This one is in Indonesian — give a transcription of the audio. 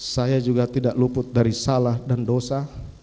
saya juga tidak luput dari salah dan dosa